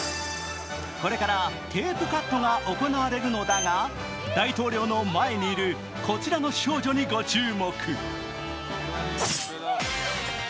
これからテープカットが行われるのだが、大統領の前にいる、こちらの少女にご注目。